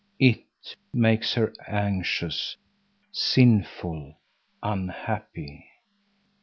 "It" makes her anxious, sinful, unhappy.